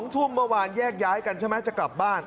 ทุ่มเมื่อวานแยกย้ายกันใช่ไหมจะกลับบ้าน